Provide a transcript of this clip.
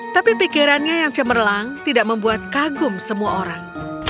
tapi pikirannya yang cemerlang tidak membuat kagum semua orang